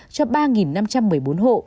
cho ba năm trăm một mươi bốn hộ